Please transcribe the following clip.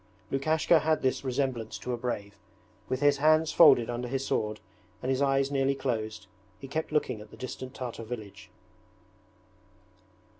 Lukashka had this resemblance to a brave. With his hands folded under his sword, and his eyes nearly closed, he kept looking at the distant Tartar village.